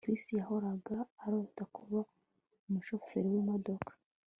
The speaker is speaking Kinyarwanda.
Chris yahoraga arota kuba umushoferi wimodoka